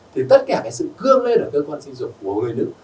thì tất cả cái sự cương lên ở cơ quan sinh dục của người nữ